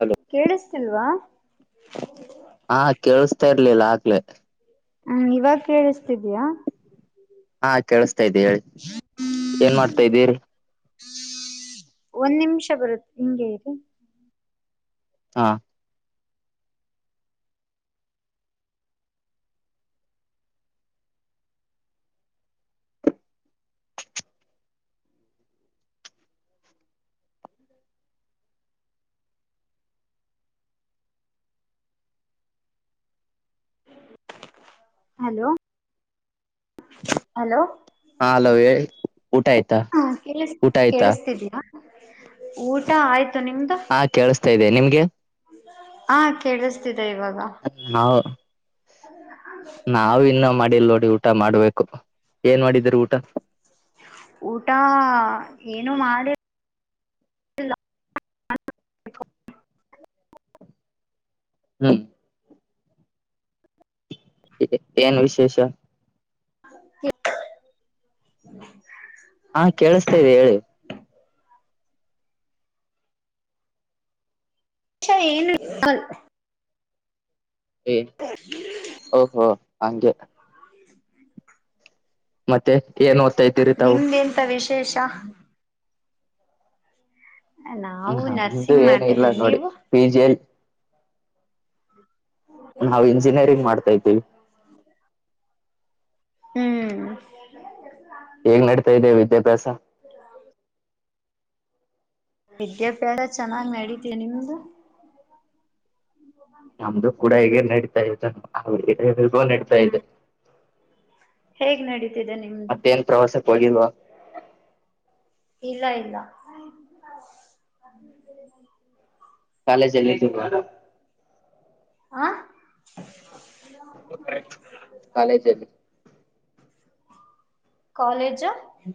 Hello ಕೇಳಿಸ್ತಿಲ್ವಾ ತರರ್ಲಿಲ್ಲ ಹಾಕಲಿಲ್ಲ. [unintelligible] ಹಾ ಇವಾಗ ಕೇಳಿಸ್ತಿದಯಾ? [unintelligible] ಹಾ ಕೇಳಸ್ತಾ ಇದ್ದಿ ಹೇಳಿ ಏನ್ ಮಾಡ್ತಾ ಇದ್ದೀರಿ. [unintelligible] ಒಂದ್ ನಿಮಿಷ ಬರುತ್ತೆ ಹಿಂಗಗೆ ಇರಿ ಹಾ ಹಲೋ ಹಲೋ ಹಾ ಹಲೋ ಹೇಳಿ ಊಟ ಆಯ್ತಾ ಹ ಕೇಳ ಊಟ ಆಯ್ತಾ ಕೇಳಿಸ್ತಿದೀಯಾ? [unintelligible] ಊಟ ಆಯ್ತು ನಿಮ್ದು ಹಾ ಕೇಳುಸ್ತೈದೆ ನಿಮ್ಗೆ. ಹಾ ಕೇಳಿಸ್ತಿದೆ ಇವಾಗ ನಾವ ಇನ್ನ ಮಾಡಿಲ್ ನೋಡಿ ಊಟ ಮಾಡ್ಬೇಕು ಏನ್ ಮಾಡಿದ್ರೀ ಊಟ ಊಟ ಏನು ಮಾಡಿ [unintelligible] ಹ್ಮ್ ಏ ಏನ್ ವಿಶೇಷ [inaudible] ಹಾ ಕೇಳಸ್ತಾ ಇದೆ ಹೇಳಿ [unintelligible] ಏ ಓಹೋ ಹಂಗೆೆ ಮತ್ತೆ ಏನ್ ಓದ್ತಾ ಇದ್ದೀರಿ ತಾವು ಶೇಷ ನಾವು ನಮ್ದು ನರ್ಸಿಂಗ್ ಏನು ಇಲ್ಲ ಮಾಡ್ತಿದ್ದೀವಿ ನೋಡಿ ನೀವು ಪಿಜೀಲ್ ನಾವ ಇಂಜಿನಿಯರಿಂಗ್ ಮಾಡ್ತಾ ಇದ್ದೀವಿ ಹ್ಮ್ ಹೇಗ್ ನಡ್ತಾ ಇದೆ ವಿದ್ಯಾಭ್ಯಾಸ ವಿದ್ಯಾಭ್ಯಾಸ ಚೆನ್ನಾಗ್ ನಡೀತಿದೆ ನಿಮ್ದು ನಮ್ದು ಕೂಡ ಹೀಗೆ ನಡೀತಾ ಇದೆ ಅವ್ರಿಗ್ ಹೇಗ್ ಬೇಕೋ ಹಾಗ್ ನಡತಾ ಇದೆ. ಹೇಗ್ ನಡೀತಿದೆ ನಿಮ್ದು ಮತ್ತೇನ್ ಪ್ರವಾಸಕ್ಕ್ ಹೋಗಿಲ್ವಾ ಇಲ್ಲ ಇಲ್ಲ ಕಾಲೇಜಲ್ಲಿ [unintelligible] ಆ [inaudible] ಕಾಲೇಜಲ್ಲಿ ಕಾಲೇಜ್ ಹ್ಮ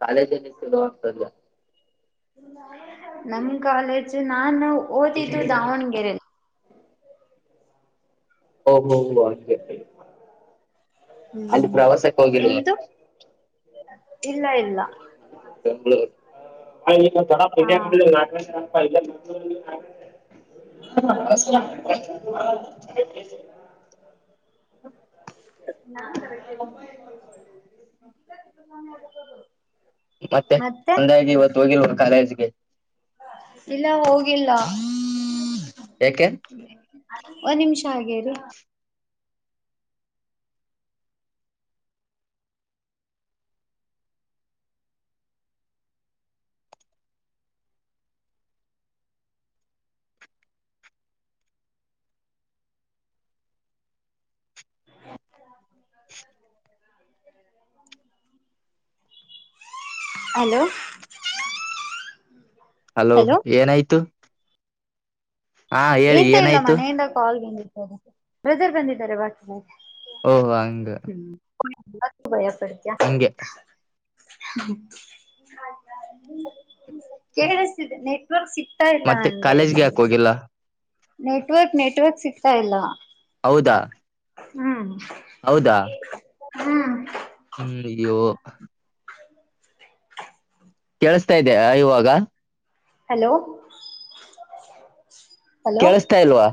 ಕಾಲೇಜ ಎಲ್ಲಿರ್ತದೋ ಅಂತ ಅಂದ್ಯಾ ನಮ್ ಕಾಲೇಜ್ ನಾನು ಓದಿದ್ದು ದಾವಣಗೆರೆಲಿ ಓಹೋ ಹೋ ಹೋ ಹಂಗೆ ಅಲ್ಲಿ ಹ್ಮ್ ಪ್ರವಾಸಕ್ಕೆ ಹೋಗಿಲ್ವ ನಿಮ್ದು ಇಲ್ಲ ಇಲ್ಲ ಬೆಂಗಳೂರು ಹಾ [unintelligible] [unintelligible] [inaudible] [unintelligible] ಮತ್ತೆ ಅಂದಾಗೆ ಇವತ್ತು ಹೋಗಿಲ್ವ ಕಾಲೇಜ್ಗೆ ಇಲ್ಲ ಹೋಗಿಲ್ಲ ಯಾಕೆ ಒಂದ್ ನಿಮಿಷ ಹಾಗೇ ಇರಿ [inaudible] ಹಲೋ ಹಲೋ ಏನಾಯ್ತು ಹಾ ಹೇಳಿ ಎಂತ ಇಲ್ಲ ಏನಾಯ್ತು ಮನೆಯಿಂದ ಕಾಲ್ ಬಂದಿತ ಬ್ರದರ್ ಬಂದಿದ್ದಾರೆ [unintelligible] ಓಹೋ ಹಂಗ [unintelligible] ಭಯಪಡ್ತ್ಯಾ ಹಂಗೆ ಕೇಳಸ್ತಿದೆ ನೆಟ್ವರ್ಕ್ ಸಿ ಸಿಗ್ತಾ ಇಲ್ಲ ಮತ್ತೆ ನಂಗೆ ಕಾಲೇಜ್ಗೆ ಯಾಕೆ ಹೋಗಿಲ್ಲ ನೆಟ್ವರ್ಕ್ ನೆಟ್ವರ್ಕ್ ಸಿಗ್ತಾ ಇಲ್ಲ. ಹೌದಾ ಹ್ಮ್ ಹೌದಾ ಹ್ಮ ಹ್ಮ್ ಅಯ್ಯೋ ಕೇಳಸ್ತಾ ಇದ್ದೆಯ ಇವಾಗ ಹಲೋ ಹಲೋ ಕೇಳಸ್ತಾ ಇಲ್ವಾ